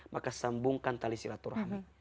maka sambungkan tali silaturahmi